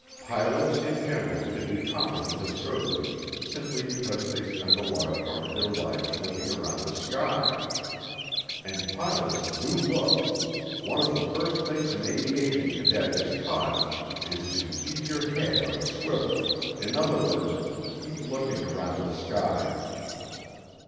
Pilots in general should be competent observers simply because they spend a large part of their lives looking around the sky. And pilots do look; one of the first things an aviation cadet is taught is to "Keep your head on a swivel"; in other words, keep looking around the sky.